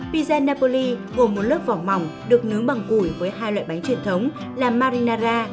pizen napoli gồm một lớp vỏ mỏng được nướng bằng củi với hai loại bánh truyền thống là marinara